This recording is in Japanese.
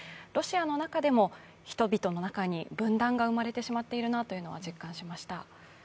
ロシアの中でも、人々の中に分断が生まれてしまっているなと実感しました。